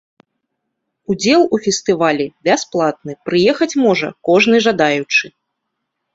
Удзел у фестывалі бясплатны, прыехаць можа кожны жадаючы.